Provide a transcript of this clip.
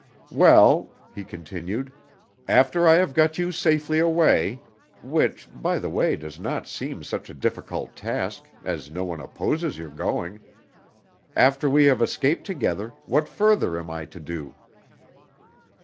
"Well," he continued, "after I have got you safely away which, by the by, does not seem such a difficult task, as no one opposes your going but, after we have escaped together, what further am I to do?"